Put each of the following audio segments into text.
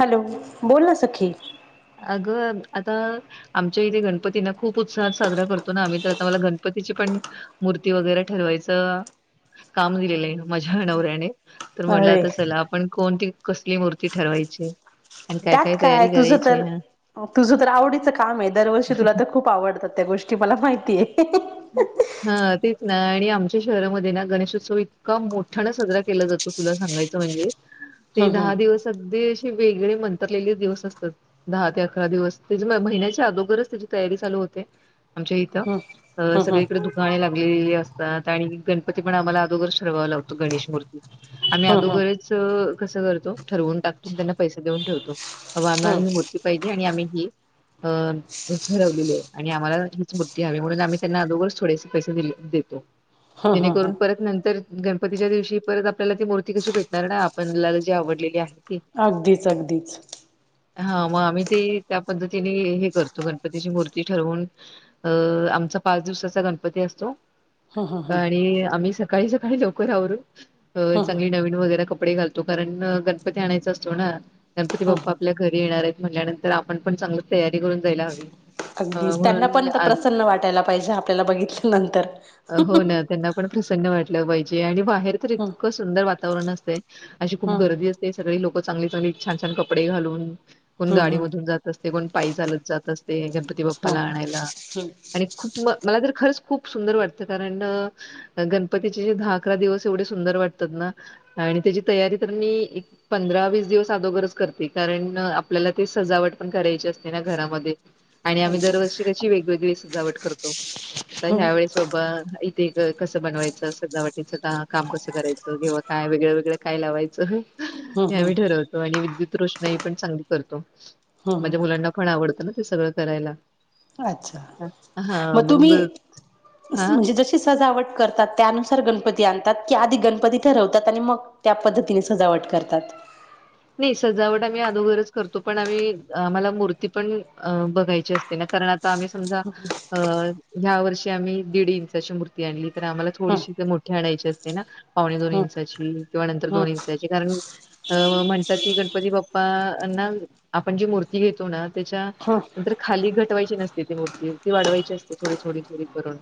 Hello बोल ना सखी अगं आता आमच्या इथे गणपतीना खूप उत्साहात साजरा करतो ना आम्ही तर आता मला गणपतीची पण मूर्ती वगैरे ठरवायचं काम दिलेलं आहे माझ्या नवऱ्याने तर म्हटलं अरे आता चला आपण कोणती कसली मूर्ती ठरवायची आणि त्यात काय तयारी तुझं करायची तर हा तुझं तर आवडीचं काम आहे दरवर्षी तुला तर खूप खूप आवडतात त्या गोष्टी मला माहिती आहे हा ते आणि आमच्या शहरामध्ये ना गणेशोत्सव इतका मोठा ना साजरा केला जातो तुला सांगायचं म्हणजे ते हम्म दहा हम्म दिवस अगदी अशी वेगळे मंत्रलेले दिवस असतात दहा ते अकरा दिवस त्या महिन्याच्या अगोगरच त्याची तयारी चालू होते आमच्या इथ. ह. सगळीकडे दुखाणे लागलेली असतात आणि गणपती पण आम्हाला अगोगर ठरवावं लागतो गणेश मूर्ती आम्ही हम्म हम्म अदोघरच कसं करतो ठरवून टाकतून त्यांना पैसा देऊन ठेवतो. अ अे हम्म मु हिे आणि आम्ही ही ठरवलेली आहे आणि आम्हाला हीच मूर्ती हवी म्हणून आम्ही त्यांना अजोरच थोडेसे पैसे दि देतो जेणेकरून परत नंतर गणपतीच्या दिवशी परत आपल्याला ती मूर्ती कशी भेटणार ना आपला जी आवडलेली आहे ती अगदीच अगदीच हा मग आम्ही ते त्या पद्धतीने हे करतो गणपतीची मूर्ती ठरवून अ आमचं? पाच दिवसाचा गणपती असतो आणि आम्ही सकाळी सकाळी लवकर आवरू. चांगली नवीन वगैरे कपडे घालतो कारण गणपती आणायच असतो ना गणपती बाप्पा आपल्या घरी येणार आहेत म्हणल्यानंतर आपण पण चांगली तयारी करून जायला हवी. अ, अगदीच त्यांना म्हणून पण आ प्रसन्न वाटायला पाहिजे आपल्याला बघितल्यानंतर हो ना त्यांना पण प्रसन्न वाटलं पाहिजे आणि बाहेर हम्म इतकं सुंदर वातावरण असते अशी खूप हम्म गर्दी असते. ते सगळी लोक चांगली चांगली छान छान कपडे घालून कोण हम्म गाडीमधून जात असते कोण पायी चालत जात असते गणपती बाप्पाला हम्म आणायला हम्म आणि खूप म मला तर खरंच खूप सुंदर वाटतं कारण गणपतीचेे दहा अकरा दिवस एवढे सुंदर वाटतात ना आणि त्याची तयारी तर मी पंधरा वीस दिवस अदोगरच करते कारण आपल्याला ते सजावट पण करायची असते ना घरामध्ये आणि आम्ही दरवर्षी कशी वेगवेगळी सजावट करतो आ हम्म हम्म ह्यावेेळेस सोब इथे कसं बनवायचं सळ वाट. तिच का काम कसं करायचं किंवा काय वेगळं वेगळं काय लावायचं हे हम्म आम्ही हम्म ठरवत. आणि विद्युत रोषणाई पण चांगली करतो हम्म माझ्या मुलांना पण आवडतं ना ते सगळं करायला अच्छा मग तुम्ही हां. म्हणजे ज सजावट करतात त्यानुसार गणपती आणतात की आधी गणपती ठरवतात आणि मग त्या पद्धतीने सजावट करतात. नाही सजावट आम्ही अदोगरच करतो पण आम्ही आम्हाला मूर्ती पण बघायची असते ना कारण आम्ही समजा अ ह्या वर्षी आम्ही दीड इंचाची मूर्ती आणली तर आम्हाला हम्म थोडीशी मोठी आणायची असते ना. पाहणे दोन हम्म इंचाची किंवा नंतर हम्म दोन इंचाची कारण म्हण. ती गणपती बाप्पा ना आपण जी मूर्ती घेतो ना त्याच्या हम्म नंतर खाली घटवायची नसते ती मूर्ती ती वाढवायची असते थोडी थोडी थोडी करून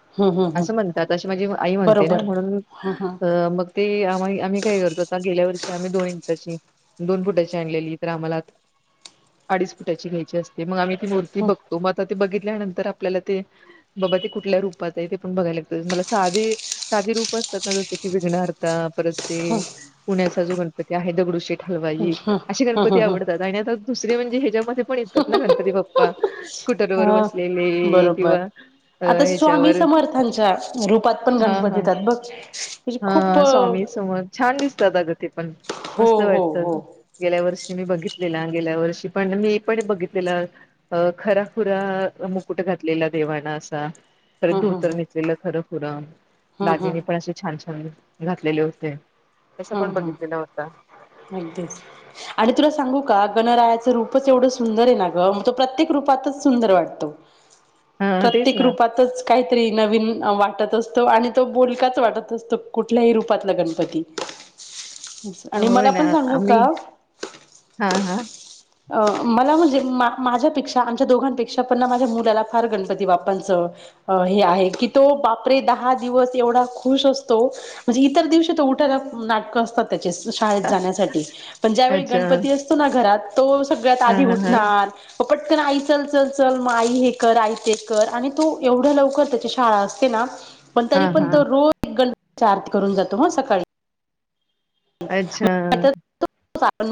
हम्म हम्म हम्म असं म्हणतात अशी माझी आई म्हणते ना बरोबर म्हणून हम्म हम्म अ मग ते आम्हाही आम्ही काय करतो आता गेल्या वर्षी आम्ही दोन इंचाची दोन फुटाची आणलेली तर आम्हाला अडीच फुटाची घ्यायची असते मग आम्ही ी मूर्ती हम्म बघतो मग आता ते बघितल्यानंतर आपल्याला ते बाबा ते कुठल्या रूपात आहे ते पण बघायला लागत मला साधे साधे रूप असतात ना जसे की विघणारता परत ते पुण्याचा जो गणपती आहे दगडूशेठ हलवाई अे हम्म गणपती हम्म आवडतात आणि आता दुसरे म्हणजे ह्याच्यामध्ये पण येतात ना गणपती बाप्पा हम्म स्कूटरवरर अ बसलेले बरोबर किंवा अ आता स्वामी ह्याच्यावर समर्थांच्या रूपात पण हा गणपती हा येतात बघ म्हणजे खूप हा स्वामी समोर छान दिसतात आ तथे पण हो मस्त हो वाटत हो गेल्या वर्षी मी बघितलेला गेल्या वर्षी पण मी पण बघितलेलं. अ खराखुरा मुकुट घातलेला देवाणा असा खर हम्म हम्म धोतर नचलेलं खरं खुरं हम्म हम्म दागिने पण असे छान छान घातलेले होते. तसा हम् पण हम बघितलेला होता अगदीच आणि तुला सांगू का गणरायाचं रूपच एवढं सुंदर आहे ना ग मग तो प्रत्येक रूपातच सुंदर वाटतो. ह प्रत्येक रूपातच काहीतरी नवीन वाटत असतो आणि तो बोलकाच वाटत असतो कुठल्याही रूपातला गणपती आणि होय मला ना पण सांगू आम्ही का हा हा अ मला म्हणजे मा माझ्यापेक्षा आमच्या दोघांपेक्षा पण माझ्या मुलाला फार गणपती बाप्पांचं अ हे आहे की तो बापरे दहा दिवस एवढा खुश असतो म्हणजे इतर दिवशी तर उठायला नाटकं असतात त्या शाळेत जाण्यासाठी पण ज्यावेळी अच्छा गणपती असतो ना घरात तो सगळ्यात हा आधी हा हा उठणार पटकन आई चल चल चल मग आई हे कर आई ते कर आणि तो एवढं लवकर त्याची शाळा असत पण हा तरी पण हा तो रोज गंा आरती करून जातो म सकाळी अच्छा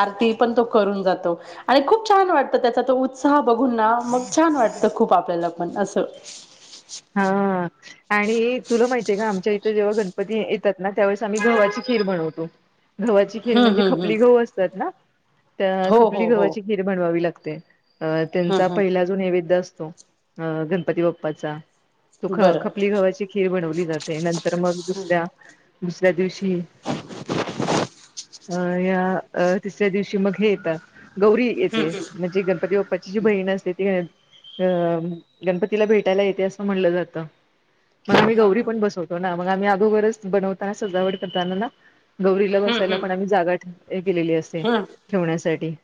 आरती पण तो करून जातो आणि खूप छान वाटतं त्याचा तो उत्साह बघून ना मग छान वाटतं खूप आपल्याला पण असं हा आणि तुला माहितीय आहे का आमच्या इथं जेव्हा गणपती येतात ना त्यावेळेस आम्ही गव्हावाची खीर बनवतो गव्हाची खीर हम्म म्हणजे हम्म हम्म खपली गव असतात ना तर हो खपली हो हो गव्हाची खीर बनवावी लागते अ हम्म त्यांचा हम्म पहिला जो नैवेद्य असतो अ गणपती बाप्पाचा तो ख बरं खपली गव्हाची खीर बनवली जाते नंतर मग दुसऱ्या दुसऱ्या दिवशी अ या तिसऱ्या दिवशी मग हे येतं गौरी हम्म येते हम्म म्हणजे गणपती बाप्पाची जी बहीण असते ती अ गणपतीला भेटायला येते असं म्हणलं जातं मग आम्ही गौरी पण बसवतो मग आम्ही अगोबरच बनवताना सजावट करताना ना गौरीला हम्म बसायला पण हम्म आम्ही जागा ठेव हे केलेली असते हम्म ठेवण्यासाठी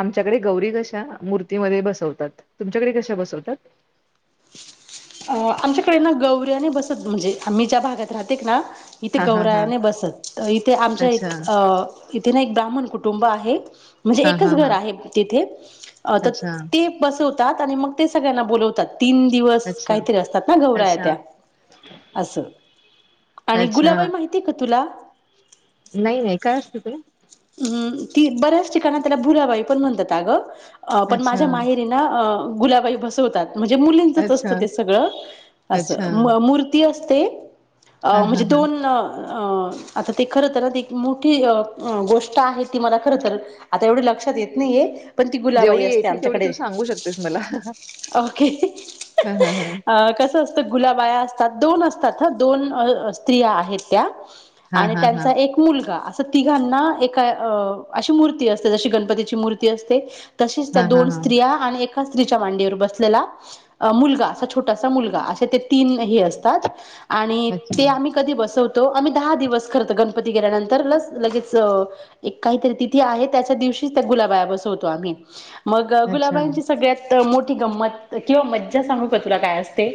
आमच्याकडे गौरी कशा मूर्तीमध्ये बसवतात तुमच्याकडे कशा बसवतात अ आमच्याकडे ना गौऱ्याने बसत म्हणजे आम्ही ज्या भागात राहते ना इथे हा हा हा गौरायाने बसत इथे आमच्या इ अच्छा अ इथे ना एक ब्राह्मण कुटुंब आहे म्हणजे हा एकच हा घर हा आहे तिथे तर अच्छा ते बसवतात आणि मग ते सगळ्यांना बोलवतात तीन दिवस अच्छा काहीतरी असतात ना गौरा या अच्छा त्या अस आणि अच्छा गुलाबाई माहिती किती क तुला नाही नाही काय असत तुही ती बऱ्याच ठिका त्याला भुराबाई पण म्हणतात ग पण अच्छा माझ्या मा गुलाबाात म्हणजे मुलीं असत अच्छा ते सगळं अस अच्छा असते हा हा म्हणजे हा दोन आता ते खर तर ना एक मोठी गोष्ट आहे ती मला खर तर आता एवढी लक्षात येत नाहीये पण ती गुलाबाई जेवढी असते येते तेवढी तू आमच्याकडे सांगू शकतेस ओके हम् हम हम अ कसं असत गुलाबाया असतात दोन असतात ह दोन स्त्रिया आहेत त्या हा आणि हा हा त्यांचा एक मुलगा असं तिघांना एक अ मू असते ज गणपतीची मूर्ती असते तशीच त्या हा हा दोन हा स्त्रिया आणि कसतरीच्या मांडीवर बसलेला मुलगा असा छोटासा मुलगा असे ते तीन हे असतात आणि ते अच्छा आम् कधी बसवतो आम्ही दहा दिवस करतो गणपती गेल्यानंतर लस लगेच एक काहीतरी तिथी आहे त्याच्या दिवशीच त्या गुलाबाया बसवतो आम्ही मग अच्छा गुलाबायांची सगळ्यात मोठी गंमत किंवा मज्जा सांगू का तुला काय असते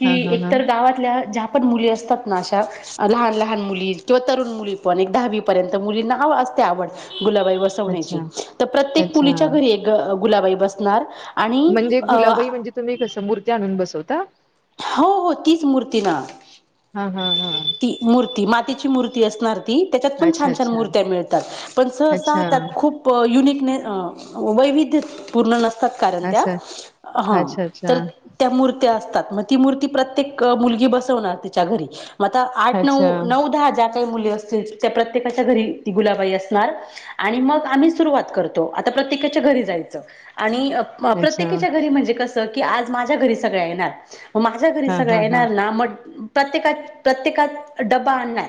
कि हा हा हा एकतर गावातल्या ज्या पण मुली असतात ना अशा लहान लहान मुली किंवा तरुण मुली पण एक दहावी पर्यंत मुली नाव अस आवड गुलाबाई बसवण्याची अच्छा तर प्रत्येक अच्छा मुलीच्या घरी गुलाबाई बसणार आणि म्हणजे गुलाबाई म्हणजे तुम्ही कसं मूर्ती आणून बसवता हो हो तीच मूर्ती ना हम् हम हम मूर्ती मातीची मूर्ती असणार ती त्याच्यात पण अच्छा छान छान अच्छा मूर्त्या मिळतात पण अच्छा ससाात खूप प युनिकनेस वैविध्य पूर्ण नत कारण त्या असं अच्छा अच्छा तर त्या मूर्त्या असतात म्ह मू प्रत्येक मुलगी बसवणार तच्या घरी म आठ अच्छा नऊ न दहा का मुली असतील त्या प्रत्येकाच्या घरी ती गुलाबाई असणार आणि मग आम्ही सुरुवात करतो आता प्रत्येकाच्या घरी जायचं आणि अच्छा प्रत्येकीच्या घरी म्हणजे कस की आज माझ्या घरी सगळ्या येणार माझ्या घरी हा सगळ हा हा येणार ना मग प्रत्येकात प्रत्येकात डब्बा आणणार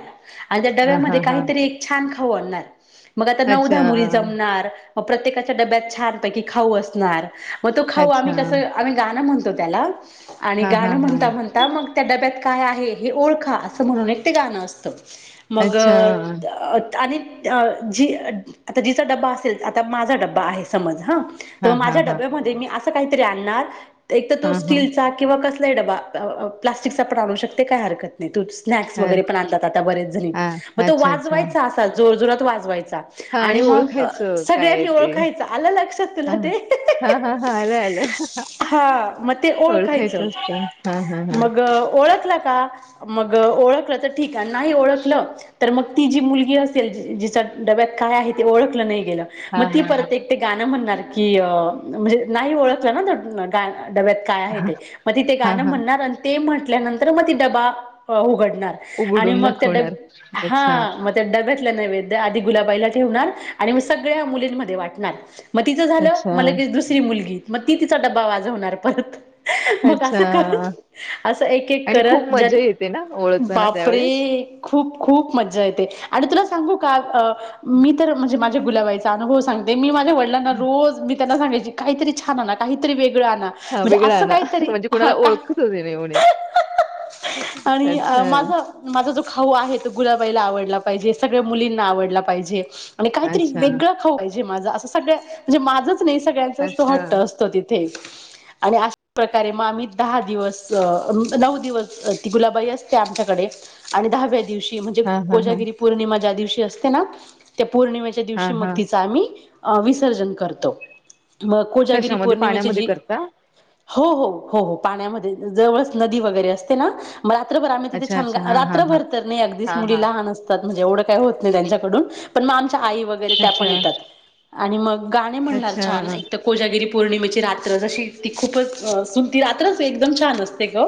आणि त्या हा डव्यामध्ये हा हा काहीतरी एक छान खाऊ आणणार मग आता नवदाा अच्छा मुली जमणार म प्रत्येकाच्या डब्यात छानपैकी खाऊ असणार मग तो खाऊ अच्छा आम्ही कसं आम्ही गाणं म्हणतो त्याला आणि हा हा गाणं हा म्हणता म्हण मग त्या डब्यात काय आहे हे ओळखा असं म्हणून एक ते गाणं असतं मग अच्छा आणि जी आता जिचा डब्बा असेल आता माझा डब्बा आहे समज हा हा तर हा माझ्या हा डब्यामध्ये मी असं काहीतरी आणणार एक तर हा तो हा ह स्टीलचा किंवा कसलाही डबा प्लास्टिकचा पणालू शकते काय हरकत तू स्नॅक्स हा वगैरे पण आणला आता बरेच जणी मग तो अच्छा अच्छा वाजवायचा असा जोर जोरात वाजवायचा हा आणि मग ओळखायचं काय आहे सगळ्यांनी ते ओळखायचं आलं लक्षात हा तुला ते हा हा हा आलं आलं हा मग ते ओळखायचं असतं हा हा हा मग ओळखला का मग ओळखलं तर ठीक आहे नाही ओळखलं. तर मग ती जी मुलगी असेल जिच्या डब्यात काय आहे ते ओळखलं नाही गेलं मग हा ती हा हा परत एक. ते गाणं म्हणणार की म्हणजे नाही ओळखलं ना डब्यात काय आहे हा ते. मग ति ते हा गाणं हा म्हणणार ते म्हटल्यानंतर मग त डबा उघडणार. आणि उघडून मग त्या ड दाखवणार. अच्छा. हा म. डगतल्या नैवेद्य आधी गुलाबाईला ठेवणार आणि म सगळ्या मुलींमध्ये वाटणार. मग तिचं झालं अच्छा मला दुसरी मुलगी मग ती तिचा डब्बा वाजवणार परत. मग अच्छा असं करत असं एक एक आणि खूप करत ज मजा येते ना ओळखताना त्यावेळेस. बापरी. खूप खूप मज्जा येते आणि तुला सांगू का. मी तर म्हणजे माझ्या गुलाबाईचा अनुभव सांगते मी मा वडला ना रोज मी त्यांना सांगायची काहीतरी छान आण काहीतरी वेगळं आण हा वेगळा आण ना म्हणजे. कोणाला ओळखतो देणे होणे आणि अच्छा. माझा माझा जो खाऊ आहे तो गुलाबाईला आवडला पाहिजे सगळ्या मुलींना आवडला पाहिजे. आणि काहीतरी अच्छा वेगळं खाऊ पाहिजे माझं असं सगळ्या म्हणजे माझंच नाही सगळ्यांचं अस अच्छा वाटतं असत. तिथे आणि अशा प्रकारे मग आम्ही दहा दिवस नऊ दिवस ती गुलाबाई असते आमच्याकडे आणि दहाव्या दिवशी म्हणजे हा हा हा कोजागिरी पौर्णिमा ज्या दिवशी असते ना त्या पौर्णिमेच्या हा दिवशी मग हा तिचा आम्ही विसर्जन करतो मग कोजागिरी कशामध्ये पौर्णिमेची पाण्यामध्ये जी करता? हो हो हो हो पाण्यामध्ये जवळ नदी वगैरे असते ना. मग रात्रभर आम्ही तिथे अच्छा छान अच्छा हा हा हा रात्रभर तर नाही अगदीच हा हा मुलीला लहान असत. म्हणजे एवढं काय होत नाही त्यांच्याड पण मग आमच्या आई. ण अच्छा येत गा म्हण अच्छा छान. कोजागिरी पौर्णिमेची रात्र जशी ती खूपच सुन ती रात्रच एकदम छान असते ग.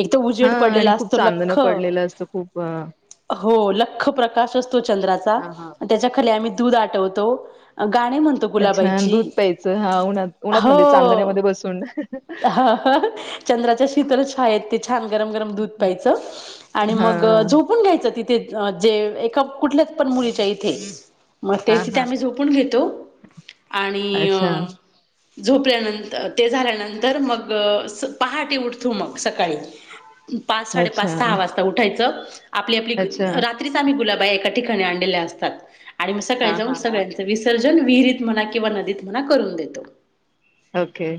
एकदा हा उजेड आणि पडलेला खूप असतो चांदणं लख्ख. पडलेलं असतं खूप अ, हो लख्ख प्रकाश असतो चंद्राचा. हा हा. त्याच्या खाली आम्ही दूध आवतो गा म्हणो. अच्छा दूध प्यायचं हा उन्हात उन्हातमध्येध्ये चांदण्यामध्ये बसून. हा हा चंद्राच्या शीतल छा आहेत त्या. छान गरम गरम दूध प्यायचं आणि हा. मग झोपून घ्यायचं तिथे. जे एका कुठल्याच पण मुलीच्या इथे मग त्या हा तिथ हा आम्ही झोपून घेतो आणि. अच्छा झोपल्यानंतर ते झाल्यानंतर. तर मग पहाटे उठतो मग सकाळी पाच अच्छा, साडेपाच सहा वाजता. उठायच आपली आपली अच्छा. रात्रीच आम्ही गुलाबा एका ठिकाणी आणलेल्या असतात. आणि मग सकाळी हां, जाऊन हां, हां. सगळ्यांचं विसर्जन विहिरीत म्हणा किंवा नदीत म्हणा करून देतो. ओके.